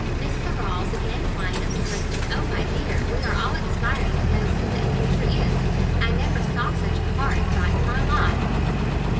Miss Larolles, again flying up to her, said "O my dear, we are all expiring to know who that creature is! I never saw such a horrid fright in my life!"